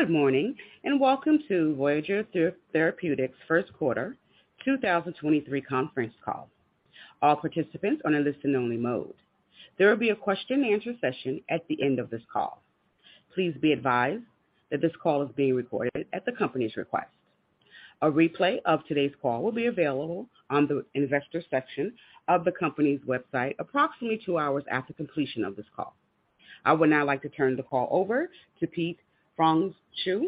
Good morning. Welcome to Voyager Therapeutics' Q1 2023 conference call. All participants are in listen only mode. There will be a question and answer session at the end of this call. Please be advised that this call is being recorded at the company's request. A replay of today's call will be available on the investor section of the company's website approximately two hours after completion of this call. I would now like to turn the call over to Pete Pfreundschuh,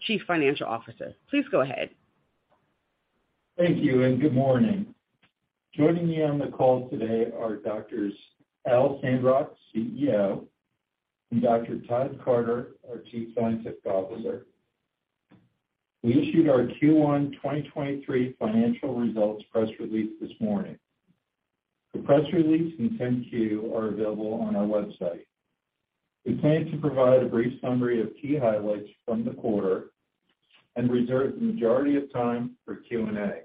Chief Financial Officer. Please go ahead. Thank you. Good morning. Joining me on the call today are Dr. Al Sandrock, CEO, and Dr. Todd Carter, our Chief Scientific Officer. We issued our Q1 2023 financial results press release this morning. The press release and 10-Q are available on our website. We plan to provide a brief summary of key highlights from the quarter and reserve the majority of time for Q&A.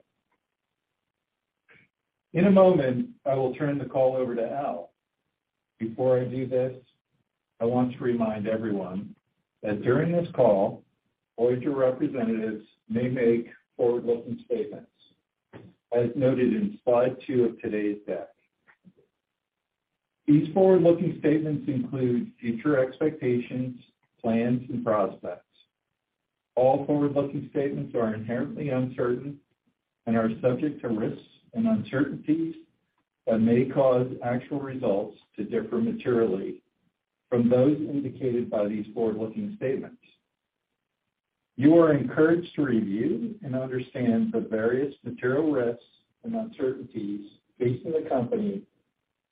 In a moment, I will turn the call over to Al. Before I do this, I want to remind everyone that during this call, Voyager representatives may make forward-looking statements, as noted in slide two of today's deck. These forward-looking statements include future expectations, plans and prospects. All forward-looking statements are inherently uncertain and are subject to risks and uncertainties that may cause actual results to differ materially from those indicated by these forward-looking statements. You are encouraged to review and understand the various material risks and uncertainties facing the company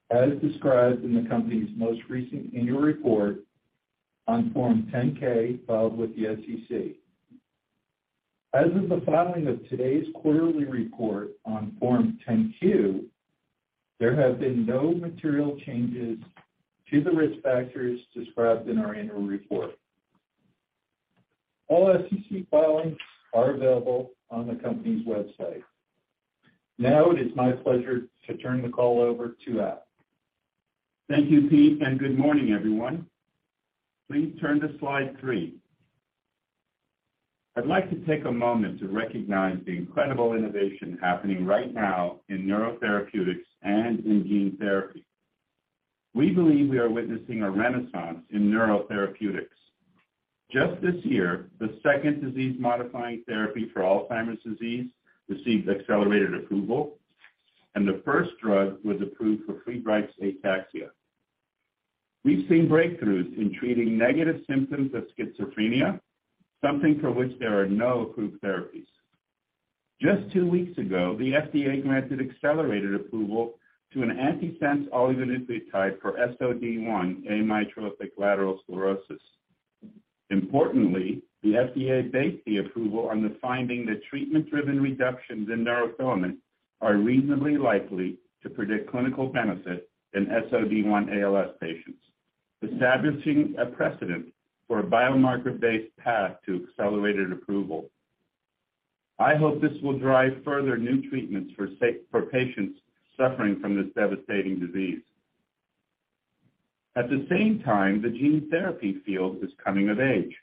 as described in the company's most recent annual report on Form 10-K filed with the SEC. As of the filing of today's quarterly report on Form 10-Q, there have been no material changes to the risk factors described in our annual report. All SEC filings are available on the company's website. It is my pleasure to turn the call over to Al. Thank you, Pete. Good morning, everyone. Please turn to slide three. I'd like to take a moment to recognize the incredible innovation happening right now in neurotherapeutics and in gene therapy. We believe we are witnessing a renaissance in neurotherapeutics. Just this year, the second disease-modifying therapy for Alzheimer's disease received accelerated approval. The first drug was approved for Friedreich's ataxia. We've seen breakthroughs in treating negative symptoms of schizophrenia, something for which there are no approved therapies. Just two weeks ago, the FDA granted accelerated approval to an antisense oligonucleotide for SOD1, amyotrophic lateral sclerosis. Importantly, the FDA based the approval on the finding that treatment-driven reductions in neurofilament are reasonably likely to predict clinical benefit in SOD1 ALS patients, establishing a precedent for a biomarker-based path to accelerated approval. I hope this will drive further new treatments for patients suffering from this devastating disease. At the same time, the gene therapy field is coming of age.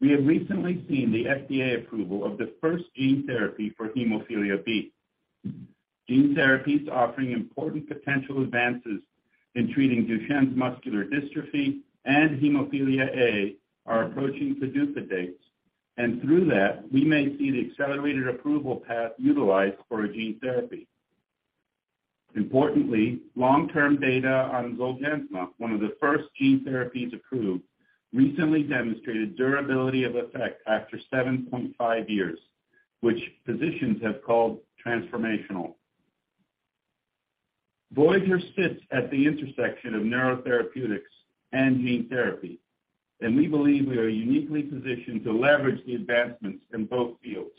We have recently seen the FDA approval of the first gene therapy for hemophilia B. Gene therapies offering important potential advances in treating Duchenne muscular dystrophy and hemophilia A are approaching PDUFA dates. Through that, we may see the accelerated approval path utilized for a gene therapy. Importantly, long-term data on Zolgensma, one of the first gene therapies approved, recently demonstrated durability of effect after 7.5 years, which physicians have called transformational. Voyager sits at the intersection of neurotherapeutics and gene therapy. We believe we are uniquely positioned to leverage the advancements in both fields.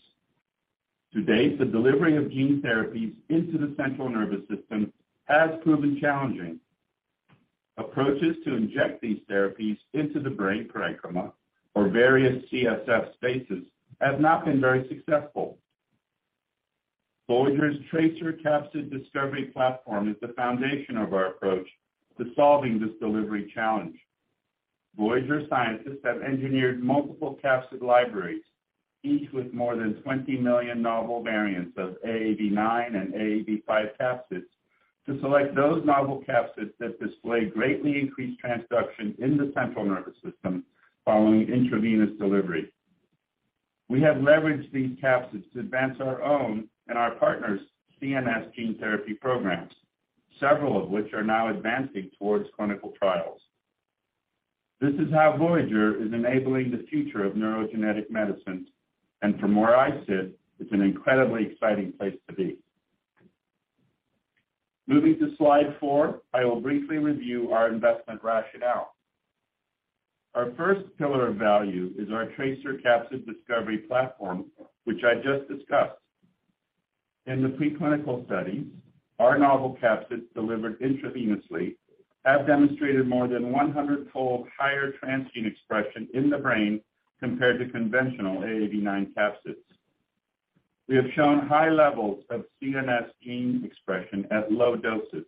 To date, the delivery of gene therapies into the central nervous system has proven challenging. Approaches to inject these therapies into the brain pachymeninx or various CSF spaces have not been very successful. Voyager's TRACER capsid discovery platform is the foundation of our approach to solving this delivery challenge. Voyager scientists have engineered multiple capsid libraries, each with more than 20 million novel variants of AAV9 and AAV5 capsids to select those novel capsids that display greatly increased transduction in the central nervous system following intravenous delivery. We have leveraged these capsids to advance our own and our partners' CNS gene therapy programs, several of which are now advancing towards clinical trials. This is how Voyager is enabling the future of neurogenetic medicines. From where I sit, it's an incredibly exciting place to be. Moving to slide four, I will briefly review our investment rationale. Our first pillar of value is our TRACER capsid discovery platform, which I just discussed. In the preclinical studies, our novel capsids delivered intravenously have demonstrated more than 100-fold higher transgene expression in the brain compared to conventional AAV9 capsids. We have shown high levels of CNS gene expression at low doses,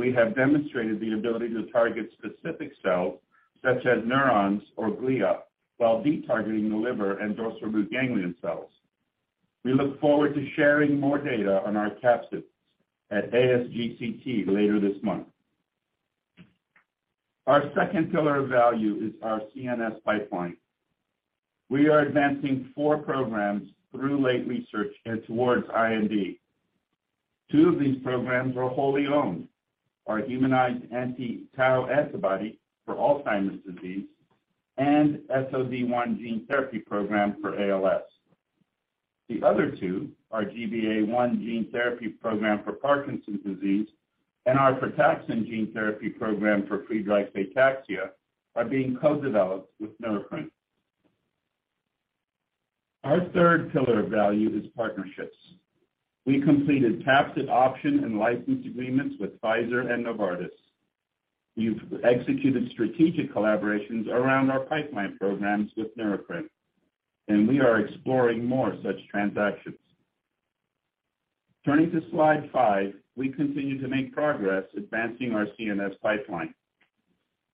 we have demonstrated the ability to target specific cells such as neurons or glia, while de-targeting the liver and dorsal root ganglion cells. We look forward to sharing more data on our capsids at ASGCT later this month. Our second pillar of value is our CNS pipeline. We are advancing four programs through late research and towards IND. Two of these programs are wholly owned. Our humanized anti-tau antibody for Alzheimer's disease and SOD1 gene therapy program for ALS. The other two are GBA1 gene therapy program for Parkinson's disease and our frataxin gene therapy program for Friedreich's ataxia, are being co-developed with Neurocrine. Our third pillar of value is partnerships. We completed capsid option and license agreements with Pfizer and Novartis. We've executed strategic collaborations around our pipeline programs with Neurocrine. We are exploring more such transactions. Turning to slide five, we continue to make progress advancing our CNS pipeline.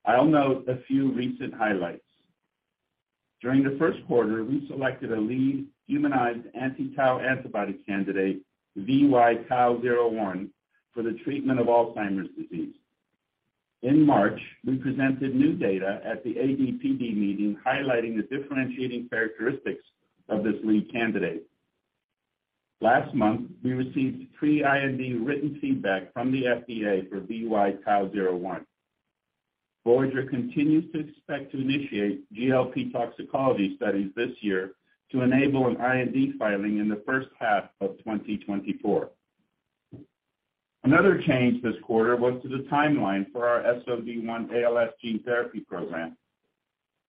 I'll note a few recent highlights. During Q1, we selected a lead humanized anti-tau antibody candidate, VY-TAU01, for the treatment of Alzheimer's disease. In March, we presented new data at the AD/PD meeting, highlighting the differentiating characteristics of this lead candidate. Last month, we received pre-IND written feedback from the FDA for VY-TAU01. Voyager continues to expect to initiate GLP toxicity studies this year to enable an IND filing in H1 of 2024. Another change this quarter was to the timeline for our SOD1 ALS gene therapy program.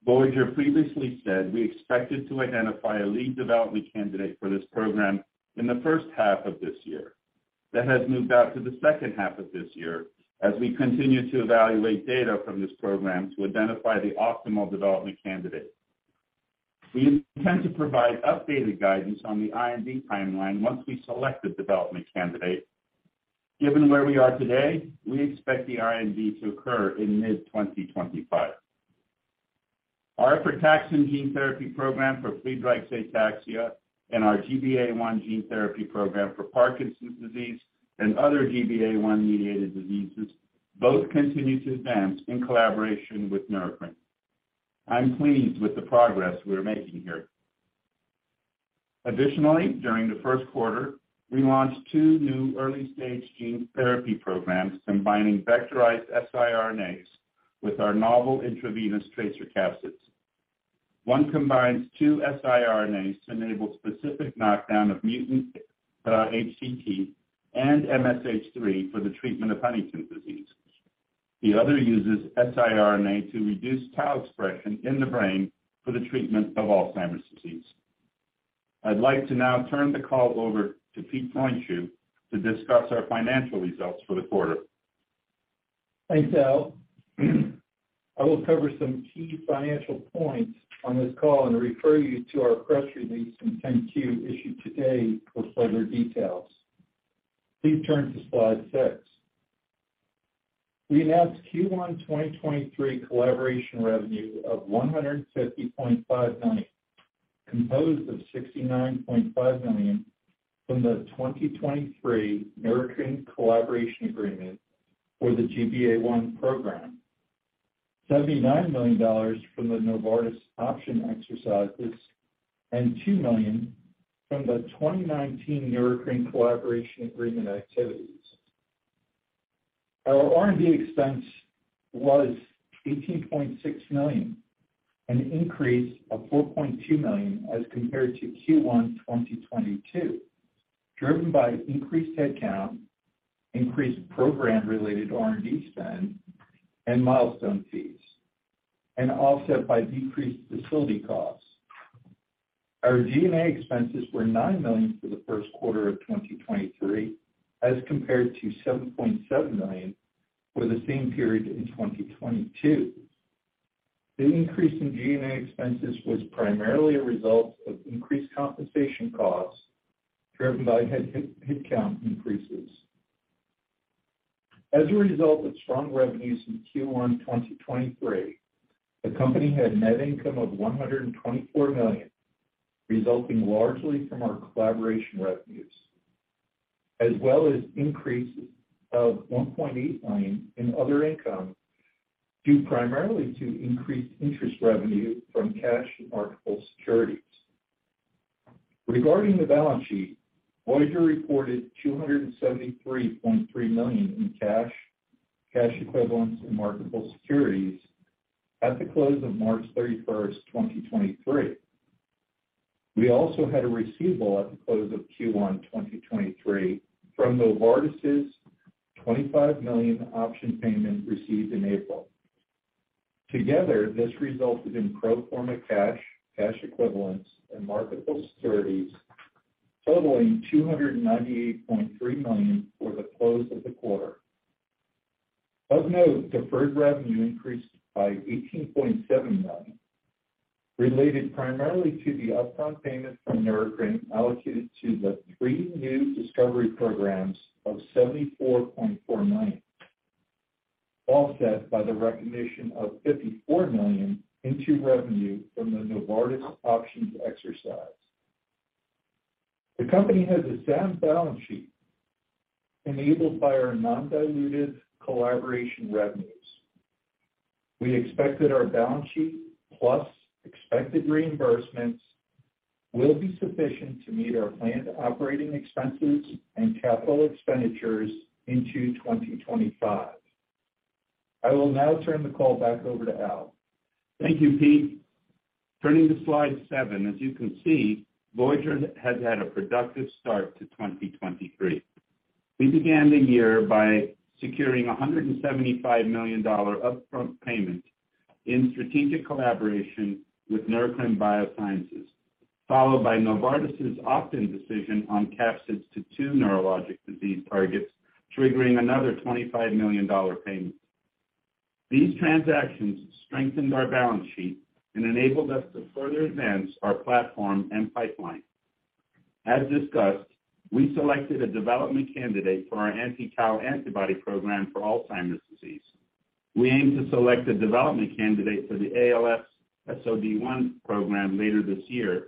Voyager previously said we expected to identify a lead development candidate for this program in H1 of this year. That has moved out to H2 of this year as we continue to evaluate data from this program to identify the optimal development candidate. We intend to provide updated guidance on the IND timeline once we select a development candidate. Given where we are today, we expect the IND to occur in mid-2025. Our frataxin gene therapy program for Friedreich's ataxia and our GBA1 gene therapy program for Parkinson's disease and other GBA1-mediated diseases both continue to advance in collaboration with Neurocrine. I'm pleased with the progress we are making here. Additionally, during Q1, we launched two new early-stage gene therapy programs combining vectorized siRNAs with our novel intravenous TRACER capsids. One combines two siRNAs to enable specific knockdown of mutant HTT and MSH3 for the treatment of Huntington's disease. The other uses siRNA to reduce tau expression in the brain for the treatment of Alzheimer's disease. I'd like to now turn the call over to Pete Pfreundschuh to discuss our financial results for the quarter. Thanks, Al. I will cover some key financial points on this call and refer you to our press release and 10-Q issued today for further details. Please turn to slide six. We announced Q1 2023 collaboration revenue of $150.5 million, composed of $69.5 million from the 2023 Neurocrine collaboration agreement for the GBA1 program. $79 million from the Novartis option exercises, and $2 million from the 2019 Neurocrine collaboration agreement activities. Our R&D expense was $18.6 million, an increase of $4.2 million as compared to Q1 2022, driven by increased headcount, increased program-related R&D spend, and milestone fees, and offset by decreased facility costs. Our G&A expenses were $9 million for Q1 of 2023, as compared to $7.7 million for the same period in 2022. The increase in G&A expenses was primarily a result of increased compensation costs driven by headcount increases. As a result of strong revenues in Q1 2023, the company had net income of $124 million, resulting largely from our collaboration revenues, as well as increase of $1.8 million in other income, due primarily to increased interest revenue from cash marketable securities. Regarding the balance sheet, Voyager reported $273.3 million in cash equivalents in marketable securities at the close of March 31, 2023. We also had a receivable at the close of Q1 2023 from Novartis's $25 million option payment received in April. Together, this resulted in pro forma cash equivalents, and marketable securities totaling $298.3 million for the close of the quarter. Of note, deferred revenue increased by $18.7 million, related primarily to the upfront payment from Neurocrine allocated to the three new discovery programs of $74.4 million, offset by the recognition of $54 million into revenue from the Novartis options exercise. The company has a sound balance sheet enabled by our non-diluted collaboration revenues. We expect that our balance sheet plus expected reimbursements will be sufficient to meet our planned operating expenses and capital expenditures into 2025. I will now turn the call back over to Al. Thank you, Pete. Turning to slide seven. As you can see, Voyager has had a productive start to 2023. We began the year by securing a $175 million upfront payment in strategic collaboration with Neurocrine Biosciences, followed by Novartis' opt-in decision on capsids to two neurologic disease targets, triggering another $25 million payment. These transactions strengthened our balance sheet and enabled us to further advance our platform and pipeline. As discussed, we selected a development candidate for our anti-tau antibody program for Alzheimer's disease. We aim to select a development candidate for the ALS SOD1 program later this year.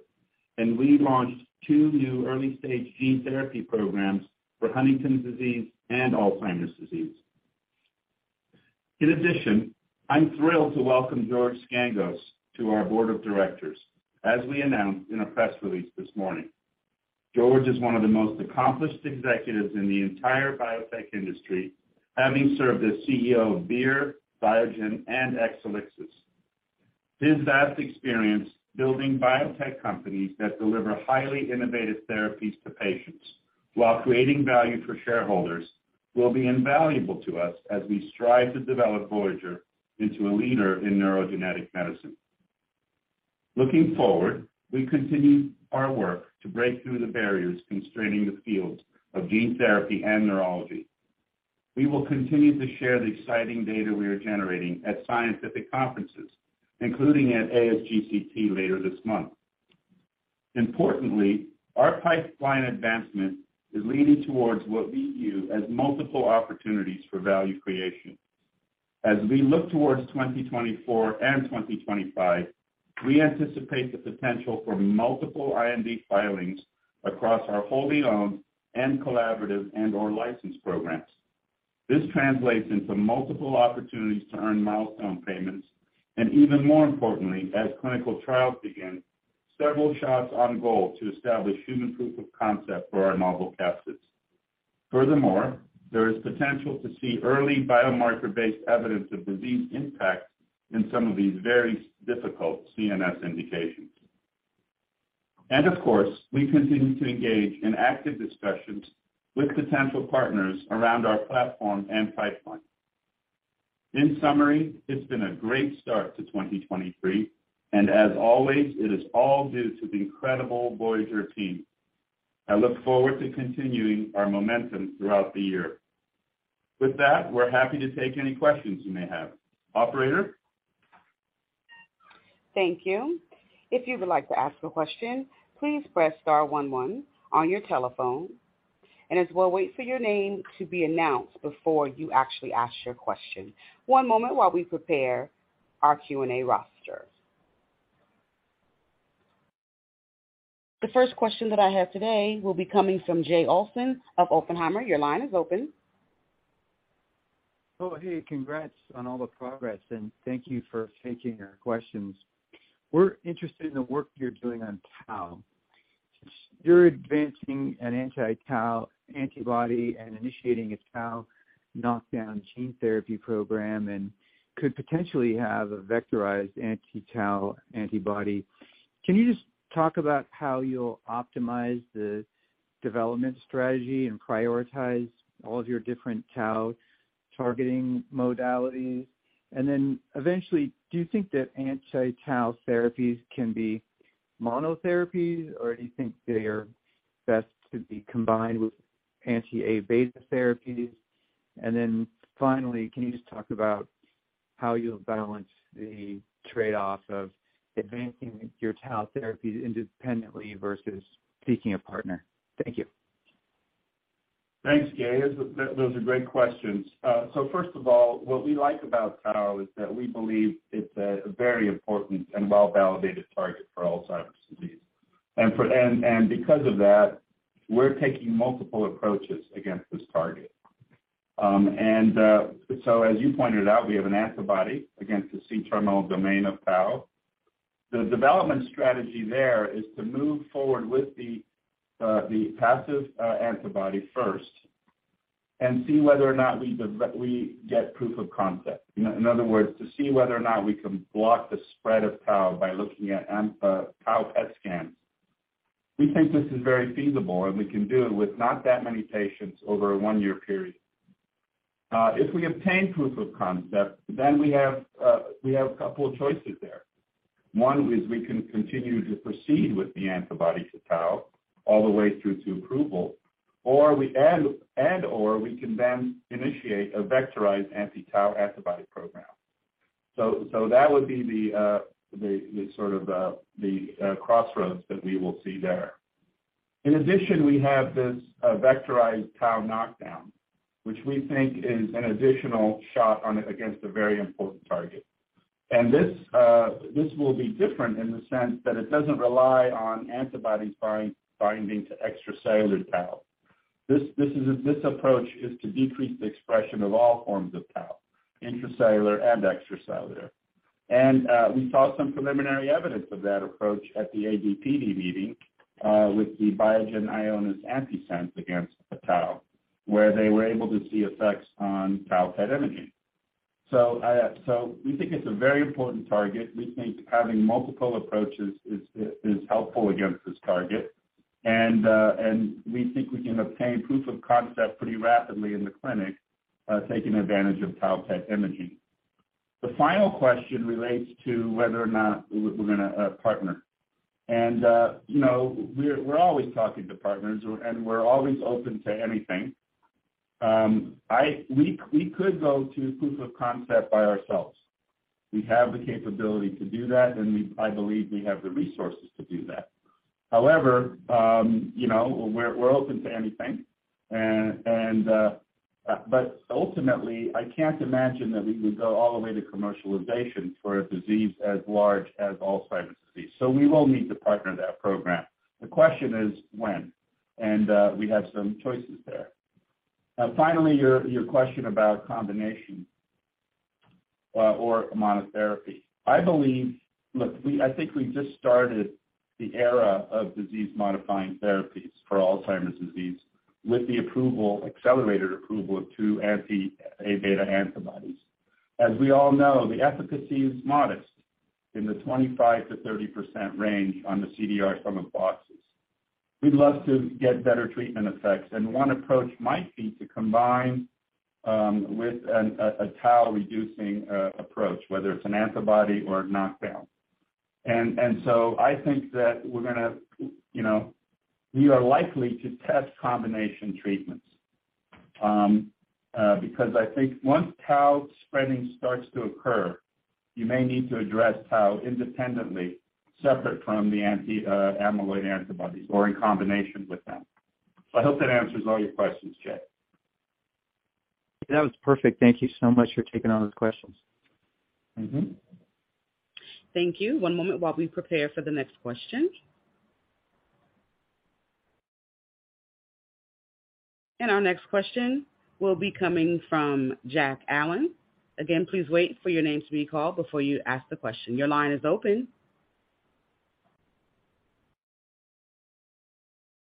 We launched two new early-stage gene therapy programs for Huntington's disease and Alzheimer's disease. In addition, I'm thrilled to welcome George Scangos to our board of directors, as we announced in a press release this morning. George is one of the most accomplished executives in the entire biotech industry, having served as CEO of Vir Biotechnology, Biogen, and Exelixis. His vast experience building biotech companies that deliver highly innovative therapies to patients while creating value for shareholders will be invaluable to us as we strive to develop Voyager into a leader in neurogenetic medicine. Looking forward, we continue our work to break through the barriers constraining the fields of gene therapy and neurology. We will continue to share the exciting data we are generating at scientific conferences, including at ASGCT later this month. Importantly, our pipeline advancement is leading towards what we view as multiple opportunities for value creation. We look towards 2024 and 2025, we anticipate the potential for multiple IND filings across our wholly-owned and collaborative and/or licensed programs. This translates into multiple opportunities to earn milestone payments, even more importantly, as clinical trials begin, several shots on goal to establish human proof of concept for our novel capsids. Furthermore, there is potential to see early biomarker-based evidence of disease impact in some of these very difficult CNS indications. Of course, we continue to engage in active discussions with potential partners around our platform and pipeline. In summary, it's been a great start to 2023, as always, it is all due to the incredible Voyager team. I look forward to continuing our momentum throughout the year. With that, we're happy to take any questions you may have. Operator? Thank you. If you would like to ask a question, please press star one one on your telephone, and as we'll wait for your name to be announced before you actually ask your question. One moment while we prepare our Q&A roster. The first question that I have today will be coming from Jay Olson of Oppenheimer. Your line is open. Hey, congrats on all the progress, thank you for taking our questions. We're interested in the work you're doing on tau. You're advancing an anti-tau antibody and initiating a tau knockdown gene therapy program and could potentially have a vectorized anti-tau antibody. Can you just talk about how you'll optimize the development strategy and prioritize all of your different tau targeting modalities? Eventually, do you think that anti-tau therapies can be monotherapies, or do you think they are best to be combined with anti-A beta therapies? Finally, can you just talk about how you'll balance the trade-off of advancing your tau therapies independently versus seeking a partner? Thank you. Thanks, Jay. Those are great questions. First of all, what we like about tau is that we believe it's a very important and well-validated target for Alzheimer's disease. Because of that, we're taking multiple approaches against this target. As you pointed out, we have an antibody against the C-terminal domain of tau. The development strategy there is to move forward with the passive antibody first and see whether or not we get proof of concept. In other words, to see whether or not we can block the spread of tau by looking at tau PET scans. We think this is very feasible, and we can do it with not that many patients over a one-year period. If we obtain proof of concept, then we have a couple of choices there. One is we can continue to proceed with the antibody to tau all the way through to approval, or we add, and/or we can then initiate a vectorized anti-tau antibody program. That would be the sort of the crossroads that we will see there. In addition, we have this vectorized tau knockdown, which we think is an additional shot on it against a very important target. This will be different in the sense that it doesn't rely on antibodies binding to extracellular tau. This approach is to decrease the expression of all forms of tau, intracellular and extracellular. We saw some preliminary evidence of that approach at the AD/PD meeting with the Biogen Ionis antisense against the tau, where they were able to see effects on tau PET imaging. We think it's a very important target. We think having multiple approaches is helpful against this target. We think we can obtain proof of concept pretty rapidly in the clinic, taking advantage of tau PET imaging. The final question relates to whether or not we're going to partner. You know, we're always talking to partners and we're always open to anything. We could go to proof of concept by ourselves. We have the capability to do that, and I believe we have the resources to do that. However, you know, we're open to anything. But ultimately, I can't imagine that we would go all the way to commercialization for a disease as large as Alzheimer's disease. We will need to partner that program. The question is when. We have some choices there. Finally, your question about combination, or monotherapy. I believe Look, I think we just started the era of disease-modifying therapies for Alzheimer's disease with the approval, accelerated approval of two anti-A beta antibodies. As we all know, the efficacy is modest in the 25%-30% range on the CDR-Sum of Boxes. We'd love to get better treatment effects, and one approach might be to combine, with an, a tau-reducing, approach, whether it's an antibody or a knockdown. I think that we're gonna, you know, we are likely to test combination treatments. Because I think once tau spreading starts to occur, you may need to address tau independently separate from the anti, amyloid antibodies or in combination with them. I hope that answers all your questions, Jay. That was perfect. Thank Thank you so much for taking all those questions. Mm-hmm. Thank you. One moment while we prepare for the next question. Our next question will be coming from Jack Allen. Again, please wait for your name to be called before you ask the question. Your line is open.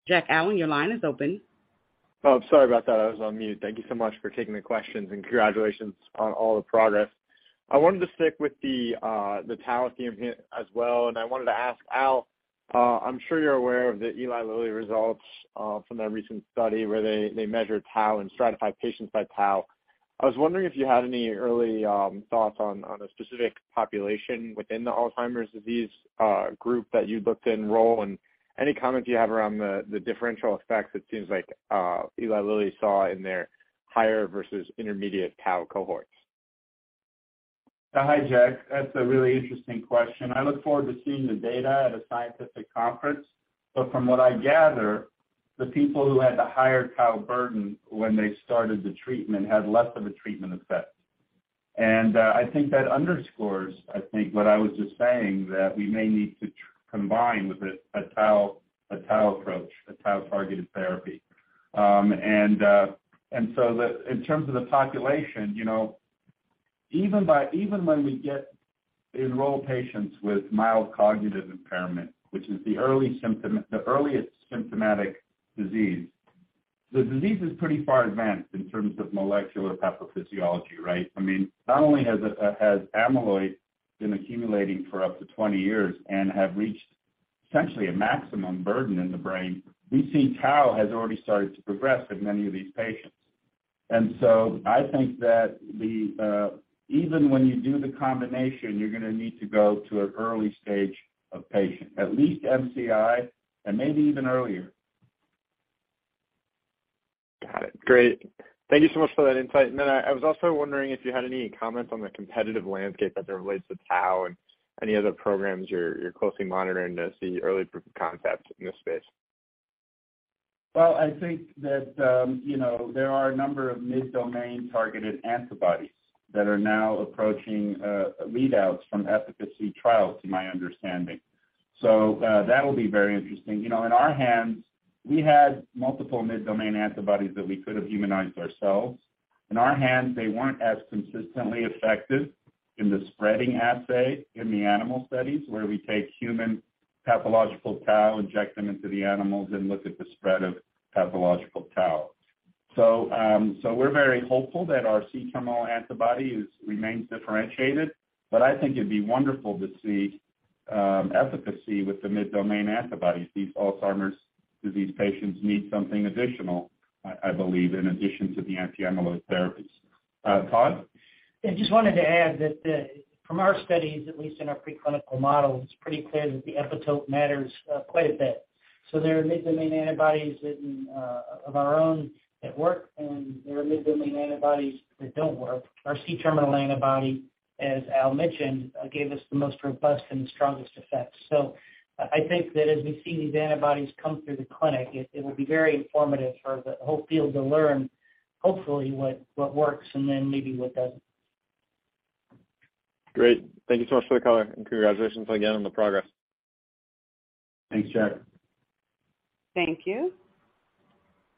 Jack Allen, your line is open. Oh, sorry about that. I was on mute. Thank you so much for taking the questions, and congratulations on all the progress. I wanted to stick with the tau theme here as well, and I wanted to ask Al, I'm sure you're aware of the Eli Lilly results from their recent study where they measured tau and stratified patients by tau. I was wondering if you had any early thoughts on a specific population within the Alzheimer's disease group that you'd look to enroll, and any comment you have around the differential effects it seems like Eli Lilly saw in their higher versus intermediate tau cohorts? Hi, Jack. That's a really interesting question. I look forward to seeing the data at a scientific conference. From what I gather, the people who had the higher tau burden when they started the treatment had less of a treatment effect. I think that underscores what I was just saying, that we may need to combine with a tau approach, a tau-targeted therapy. In terms of the population, you know, even by, even when we enroll patients with mild cognitive impairment, which is the early symptom, the earliest symptomatic disease, the disease is pretty far advanced in terms of molecular pathophysiology, right? I mean, not only has amyloid been accumulating for up to 20 years and have reached essentially a maximum burden in the brain, we've seen tau has already started to progress in many of these patients. I think that the, even when you do the combination, you're gonna need to go to an early stage of patient, at least MCI and maybe even earlier. Got it. Great. Thank you so much for that insight. Then I was also wondering if you had any comments on the competitive landscape as it relates to tau and any other programs you're closely monitoring to see early proof of concept in this space? Well, I think that, you know, there are a number of mid-domain targeted antibodies that are now approaching lead outs from efficacy trials, to my understanding. That'll be very interesting. You know, in our hands, we had multiple mid-domain antibodies that we could have humanized ourselves. In our hands, they weren't as consistently effective in the spreading assay in the animal studies, where we take human pathological tau, inject them into the animals, and look at the spread of pathological tau. We're very hopeful that our C-terminal antibody is, remains differentiated, but I think it'd be wonderful to see efficacy with the mid-domain antibodies. These Alzheimer's disease patients need something additional, I believe, in addition to the anti-amyloid therapies. Todd? I just wanted to add that, from our studies, at least in our preclinical models, it's pretty clear that the epitope matters, quite a bit. There are mid-domain antibodies that of our own that work, and there are mid-domain antibodies that don't work. Our C-terminal antibody, as Al mentioned, gave us the most robust and the strongest effect. I think that as we see these antibodies come through the clinic, it will be very informative for the whole field to learn, hopefully, what works and then maybe what doesn't. Great. Thank you so much for the color, and congratulations again on the progress. Thanks, Chad. Thank you.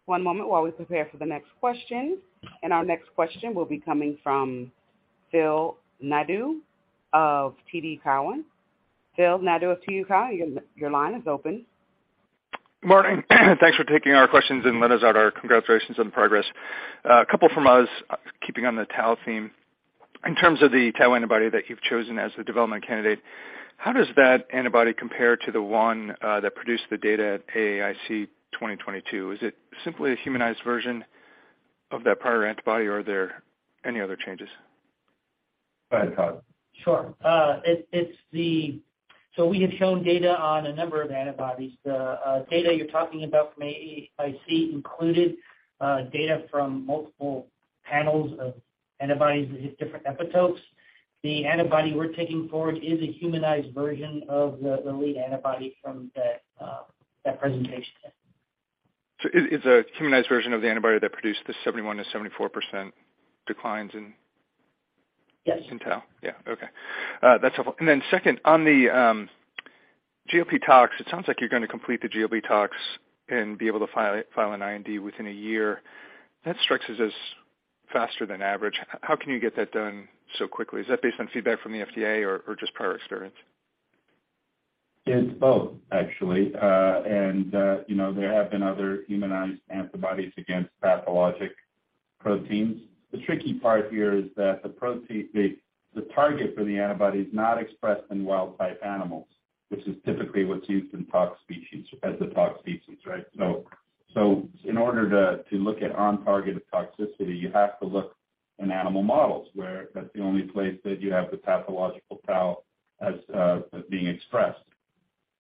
One moment while we prepare for the next question. Our next question will be coming from Phil Nadeau of TD Cowen. Phil Nadeau of TD Cowen, your line is open. Morning. Thanks for taking our questions and let us add our congratulations on the progress. A couple from us, keeping on the tau theme. In terms of the tau antibody that you've chosen as the development candidate, how does that antibody compare to the one that produced the data at AAIC 2022? Is it simply a humanized version of that prior antibody, or are there any other changes? Go ahead, Todd. Sure. We have shown data on a number of antibodies. The data you're talking about from AAIC included data from multiple panels of antibodies with different epitopes. The antibody we're taking forward is a humanized version of the lead antibody from that presentation. It's a humanized version of the antibody that produced the 71%-74% declines in- Yes. -in tau? Yeah. Okay. That's helpful. Second, on the GLP tox, it sounds like you're gonna complete the GLP tox and be able to file an IND within a year. That strikes us as faster than average. How can you get that done so quickly? Is that based on feedback from the FDA or just prior experience? It's both, actually. you know, there have been other humanized antibodies against pathologic proteins. The tricky part here is that the target for the antibody is not expressed in wild type animals, which is typically what's used in tox species as the tox species, right? So in order to look at on-target toxicity, you have to look in animal models where that's the only place that you have the pathological tau as being expressed.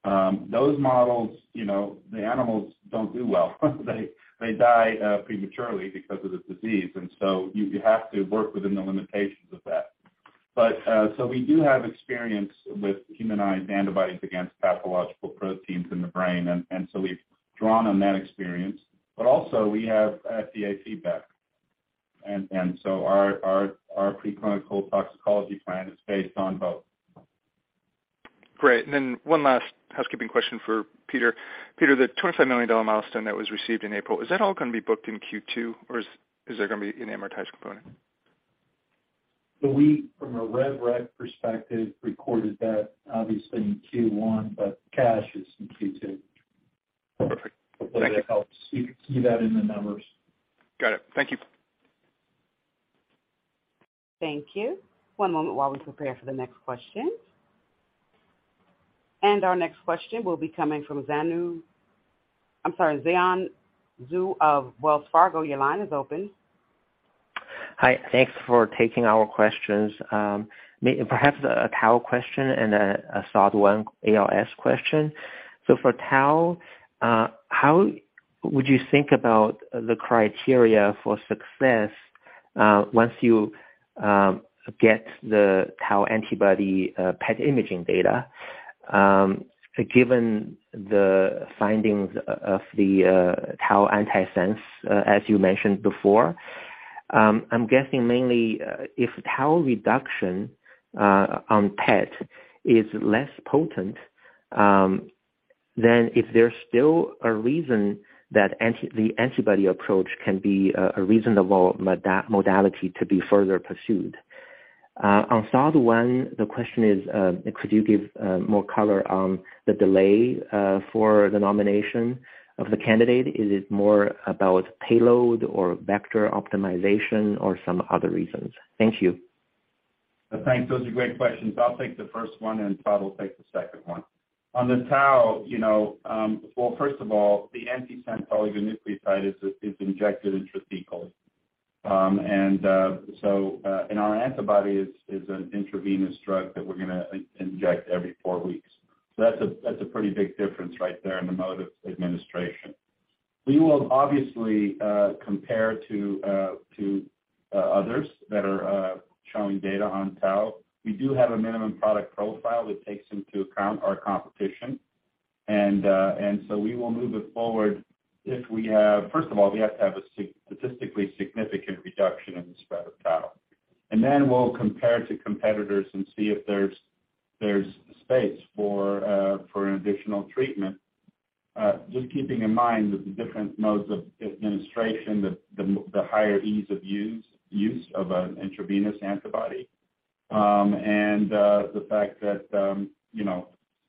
Those models, you know, the animals don't do well. They die prematurely because of the disease, and so you have to work within the limitations of that. So we do have experience with humanized antibodies against pathological proteins in the brain. We've drawn on that experience. Also we have FDA feedback. Our preclinical toxicology plan is based on both. Great. Then one last housekeeping question for Pete. Pete, the $25 million milestone that was received in April, is that all gonna be booked in Q2, or is there gonna be an amortized component? We, from a rev rec perspective, recorded that obviously in Q1, but cash is in Q2. Perfect. Hopefully that helps. You can see that in the numbers. Got it. Thank you. Thank you. One moment while we prepare for the next question. Our next question will be coming from Yanan Zhu of Wells Fargo. Your line is open. Hi. Thanks for taking our questions. Perhaps a tau question and a SOD1 ALS question. For tau, how would you think about the criteria for success, once you get the tau antibody, PET imaging data, given the findings of the tau antisense, as you mentioned before? I'm guessing mainly, if tau reduction on PET is less potent, then if there's still a reason that the antibody approach can be a reasonable modality to be further pursued. On SOD1, the question is, could you give more color on the delay for the nomination of the candidate? Is it more about payload or vector optimization or some other reasons? Thank you. Thanks. Those are great questions. I'll take the first one, and Todd will take the second one. On the tau, you know, well, first of all, the antisense oligonucleotide is injected intrathecally. Our antibody is an intravenous drug that we're gonna inject every 4 weeks. That's a pretty big difference right there in the mode of administration. We will obviously compare to others that are showing data on tau. We do have a minimum product profile that takes into account our competition. We will move it forward if we have First of all, we have to have a statistically significant reduction in the spread of tau. We'll compare to competitors and see if there's space for an additional treatment. Just keeping in mind that the different modes of administration, the higher ease of use of an intravenous antibody, and the fact that, you know,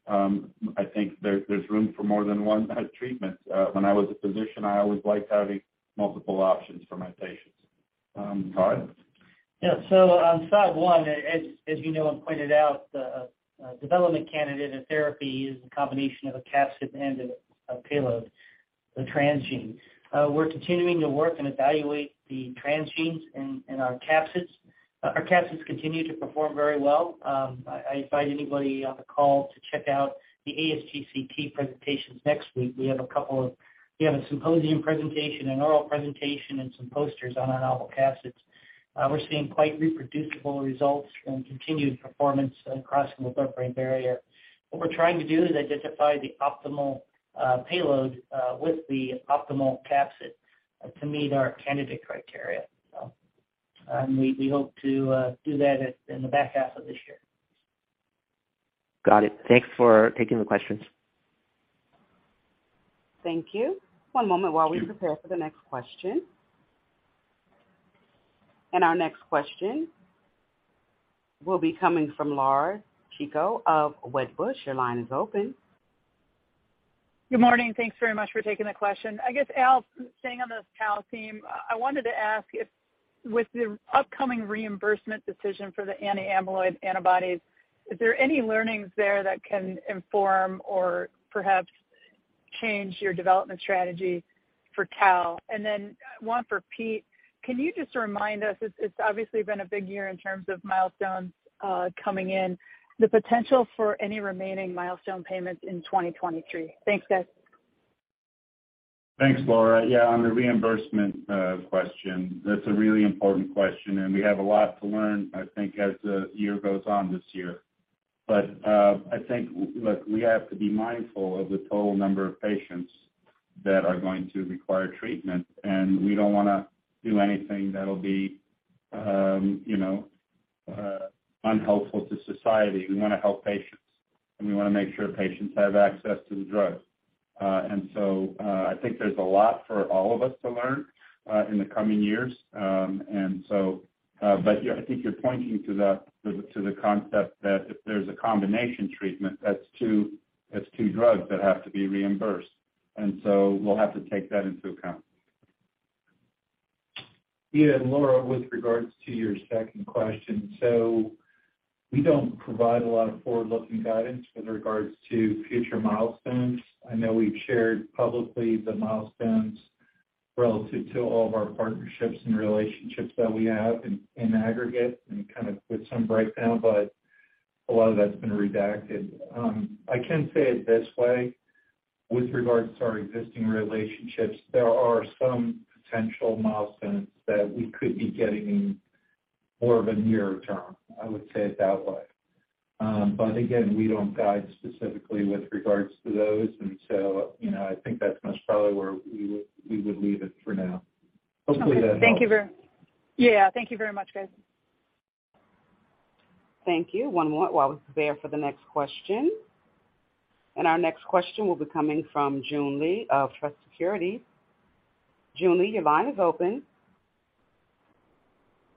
I think there's room for more than one treatment. When I was a physician, I always liked having multiple options for my patients. Todd? On SOD1, as you know and pointed out, the development candidate and therapy is a combination of a capsid and a payload. The transgenes. We're continuing to work and evaluate the transgenes and our capsids. Our capsids continue to perform very well. I invite anybody on the call to check out the ASGCT presentations next week. We have a symposium presentation, an oral presentation, and some posters on our novel capsids. We're seeing quite reproducible results and continued performance in crossing the blood-brain barrier. What we're trying to do is identify the optimal payload with the optimal capsid to meet our candidate criteria. We hope to do that at, in the back half of this year. Got it. Thanks for taking the questions. Thank you. One moment while we prepare for the next question. Our next question will be coming from Laura Chico of Wedbush. Your line is open. Good morning. Thanks very much for taking the question. I guess, Al, staying on this tau theme, I wanted to ask if with the upcoming reimbursement decision for the anti-amyloid antibodies, is there any learnings there that can inform or perhaps change your development strategy for tau? Then one for Pete, can you just remind us, it's obviously been a big year in terms of milestones, coming in, the potential for any remaining milestone payments in 2023. Thanks, guys. Thanks, Laura. Yeah, on the reimbursement, question, that's a really important question, and we have a lot to learn, I think, as the year goes on this year. I think, look, we have to be mindful of the total number of patients that are going to require treatment, and we don't wanna do anything that'll be, you know, unhelpful to society. We wanna help patients, and we wanna make sure patients have access to the drug. I think there's a lot for all of us to learn, in the coming years. But yeah, I think you're pointing to the, to the, to the concept that if there's a combination treatment, that's two drugs that have to be reimbursed. We'll have to take that into account. Laura, with regards to your second question, we don't provide a lot of forward-looking guidance with regards to future milestones. I know we've shared publicly the milestones relative to all of our partnerships and relationships that we have in aggregate and kind of with some breakdown, a lot of that's been redacted. I can say it this way, with regards to our existing relationships, there are some potential milestones that we could be getting in more of a near term. I would say it that way. Again, we don't guide specifically with regards to those. You know, I think that's most probably where we would, we would leave it for now. Hopefully that helps. Okay. Yeah. Thank you very much, guys. Thank you. One moment while we prepare for the next question. Our next question will be coming from Joon Lee of Truist Securities. Joon Lee, your line is open.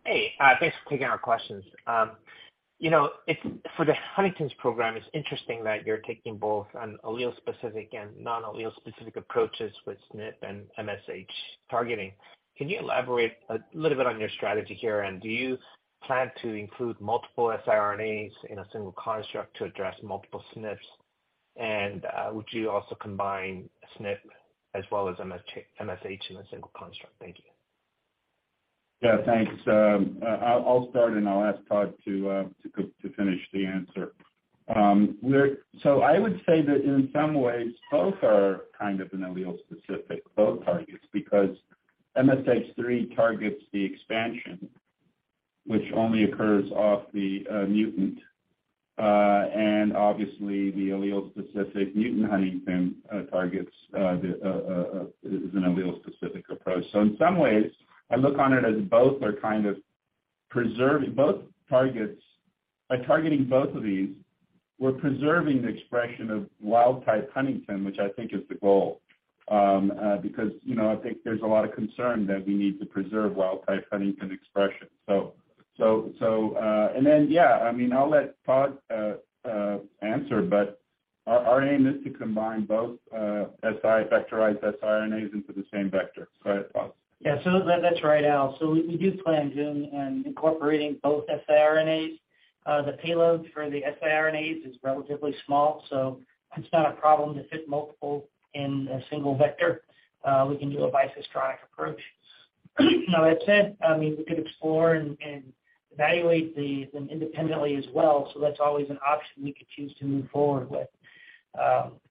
Hey. Thanks for taking our questions. You know, for the Huntington's program, it's interesting that you're taking both an allele-specific and non-allele specific approaches with SNP and MSH targeting. Can you elaborate a little bit on your strategy here? Do you plan to include multiple siRNAs in a single construct to address multiple SNPs? Would you also combine SNP as well as MSH in a single construct? Thank you. Yeah, thanks. I'll start and I'll ask Todd to finish the answer. I would say that in some ways, both are kind of an allele specific, both targets, because MSH3 targets the expansion which only occurs off the mutant. Obviously the allele specific mutant huntingtin targets is an allele specific approach. In some ways, I look on it as both are kind of preserving both targets. By targeting both of these, we're preserving the expression of wild type huntingtin, which I think is the goal, because, you know, I think there's a lot of concern that we need to preserve wild type huntingtin expression. Yeah, I mean, I'll let Todd answer, but our aim is to combine both siRNA, vectorized siRNAs into the same vector. Go ahead, Todd. That's right, Al. We do plan, Joon, on incorporating both siRNAs. The payload for the siRNAs is relatively small, so it's not a problem to fit multiple in a single vector. We can do a bicistronic approach. That said, I mean, we could explore and evaluate these independently as well, so that's always an option we could choose to move forward with.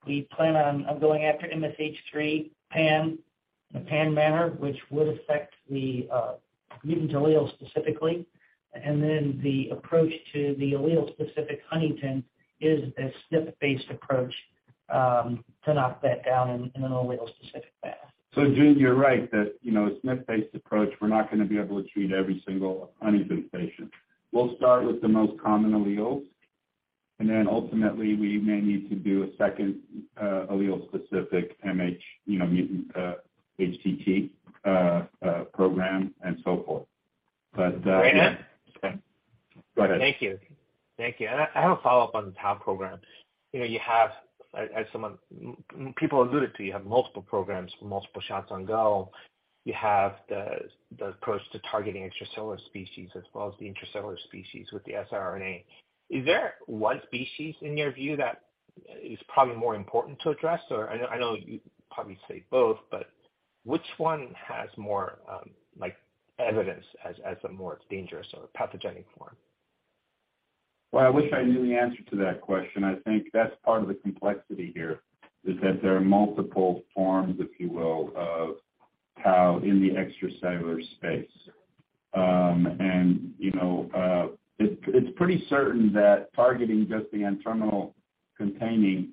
We plan on going after MSH3 PAM in a PAM manner, which would affect the mutant alleles specifically. The approach to the allele specific huntingtin is a SNP-based approach to knock that down in an allele specific manner. Joon, you're right that, you know, a SNP-based approach, we're not gonna be able to treat every single Huntington patient. We'll start with the most common alleles, and then ultimately we may need to do a second, allele specific, you know, mutant HTT program and so forth. Right. Go ahead. Thank you. I have a follow-up on the tau program. You know, you have, as someone people alluded to, you have multiple programs, multiple shots on goal. You have the approach to targeting extracellular species as well as the intracellular species with the siRNA. Is there one species, in your view, that is probably more important to address or? I know you'd probably say both, but which one has more, like evidence as a more dangerous or pathogenic form? Well, I wish I knew the answer to that question. I think that's part of the complexity here, is that there are multiple forms, if you will, of tau in the extracellular space. You know, it's pretty certain that targeting just the N-terminal containing,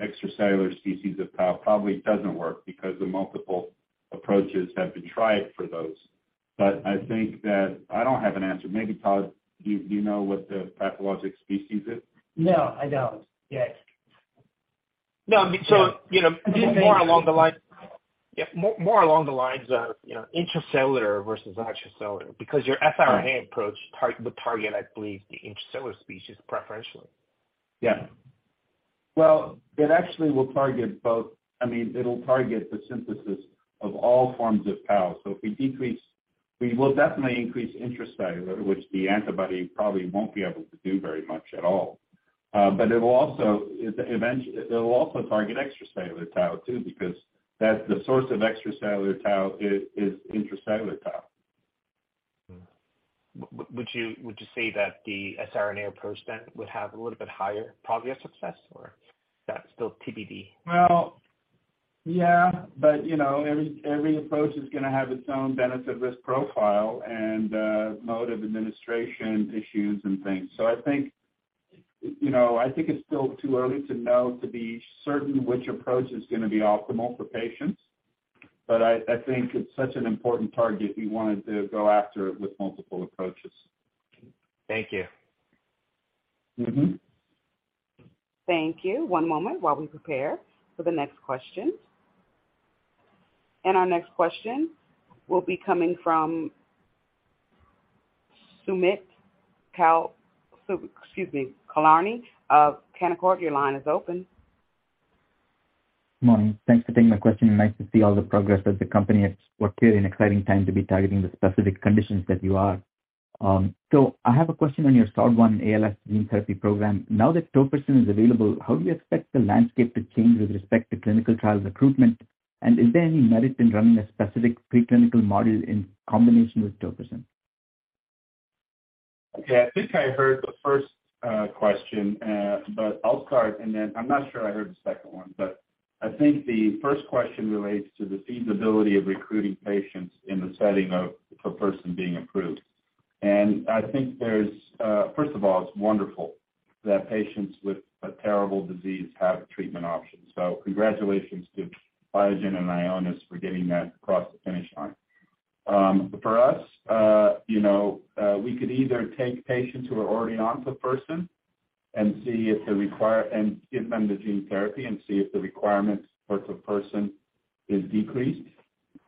extracellular species of tau probably doesn't work because the multiple approaches have been tried for those. I think that I don't have an answer. Maybe Todd, do you know what the pathologic species is? No, I don't. Yet. No, I mean, you know, more along the lines of, you know, intracellular versus extracellular because your siRNA approach will target, I believe, the intracellular species preferentially. Yeah. Well, it actually will target both. I mean, it'll target the synthesis of all forms of tau. If we decrease, we will definitely increase intracellular, which the antibody probably won't be able to do very much at all. It will also, eventually it will also target extracellular tau too, because that's the source of extracellular tau is intracellular tau. Would you say that the siRNA approach then would have a little bit higher probability of success, or that's still TBD? You know, every approach is gonna have its own benefit-risk profile and mode of administration issues and things. I think, you know, I think it's still too early to know, to be certain which approach is gonna be optimal for patients. I think it's such an important target, we wanted to go after it with multiple approaches. Thank you. Mm-hmm. Thank you. One moment while we prepare for the next question. Our next question will be coming from Sumant Kulkarni Excuse me, Kulkarni of Canaccord. Your line is open. Morning. Thanks for taking my question. Nice to see all the progress of the company. It's clearly an exciting time to be targeting the specific conditions that you are. I have a question on your SOD1 ALS gene therapy program. Now that tofersen is available, how do you expect the landscape to change with respect to clinical trial recruitment? Is there any merit in running a specific preclinical model in combination with tofersen? Okay, I think I heard the first question, but I'll start and then I'm not sure I heard the second one. I think the first question relates to the feasibility of recruiting patients in the setting of tofersen being approved. I think there's first of all, it's wonderful that patients with a terrible disease have treatment options. Congratulations to Biogen and Ionis for getting that across the finish line. For us, you know, we could either take patients who are already on tofersen and give them the gene therapy and see if the requirements for tofersen is decreased,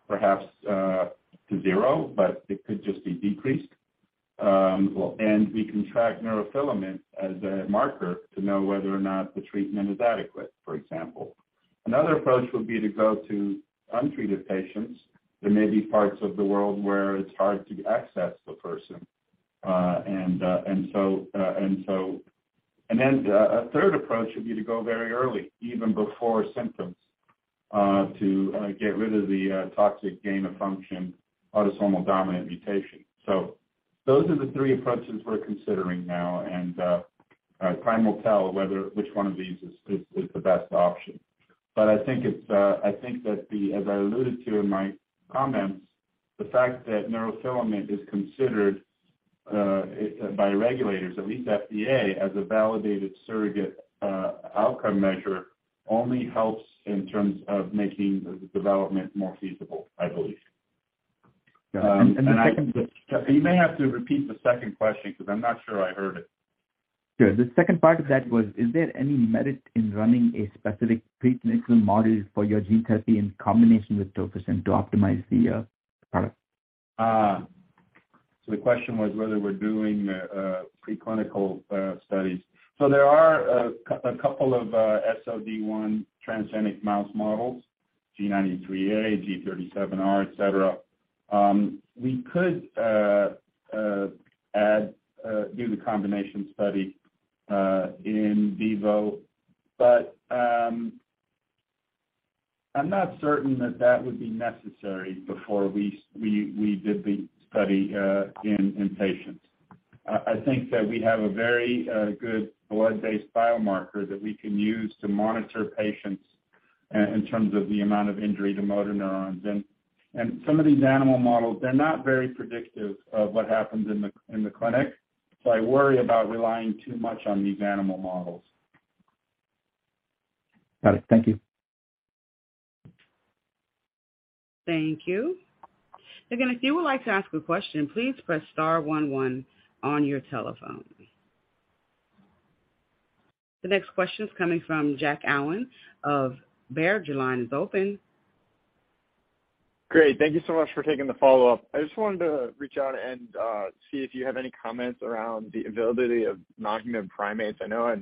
perhaps, to zero, but it could just be decreased. We can track neurofilament as a marker to know whether or not the treatment is adequate, for example. Another approach would be to go to untreated patients. There may be parts of the world where it's hard to access tofersen. And then a third approach would be to go very early, even before symptoms, to get rid of the toxic gain-of-function autosomal dominant mutation. Those are the three approaches we're considering now. Time will tell whether which one of these is the best option. I think it's, I think that the, as I alluded to in my comments, the fact that neurofilament is considered by regulators, at least FDA, as a validated surrogate outcome measure only helps in terms of making the development more feasible, I believe. Yeah. You may have to repeat the second question because I'm not sure I heard it. Sure. The second part of that was, is there any merit in running a specific preclinical model for your gene therapy in combination with tofersen to optimize the product? The question was whether we're doing preclinical studies. There are a couple of SOD1 transgenic mouse models, G93A, G37R, et cetera. We could add, do the combination study in vivo, but I'm not certain that that would be necessary before we did the study in patients. I think that we have a very good blood-based biomarker that we can use to monitor patients in terms of the amount of injury to motor neurons. Some of these animal models, they're not very predictive of what happens in the clinic, so I worry about relying too much on these animal models. Got it. Thank you. Thank you. Again, if you would like to ask a question, please press star one one on your telephone. The next question is coming from Jack Allen of Baird. Your line is open. Great. Thank you so much for taking the follow-up. I just wanted to reach out and see if you have any comments around the availability of non-human primates. I know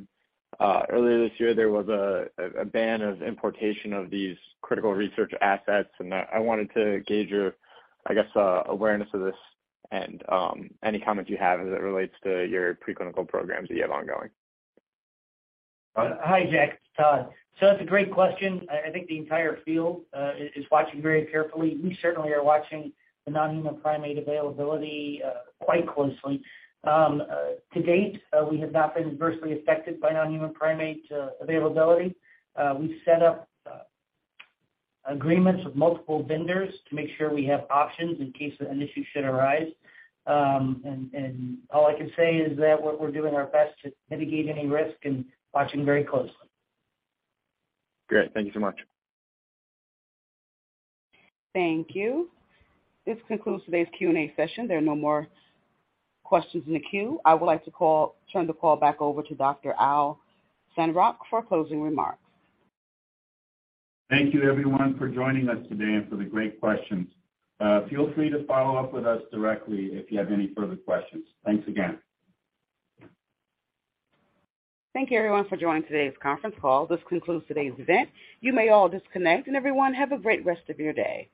earlier this year, there was a ban of importation of these critical research assets, and I wanted to gauge your, I guess, awareness of this and any comments you have as it relates to your preclinical programs that you have ongoing. Hi, Jack. Todd. That's a great question. I think the entire field is watching very carefully. We certainly are watching the non-human primate availability quite closely. To date, we have not been adversely affected by non-human primate availability. We've set up agreements with multiple vendors to make sure we have options in case an issue should arise. All I can say is that we're doing our best to mitigate any risk and watching very closely. Great. Thank you so much. Thank you. This concludes today's Q&A session. There are no more questions in the queue. I would like to turn the call back over to Dr. Al Sandrock for closing remarks. Thank you everyone for joining us today and for the great questions. Feel free to follow up with us directly if you have any further questions. Thanks again. Thank you everyone for joining today's conference call. This concludes today's event. You may all disconnect, and everyone have a great rest of your day.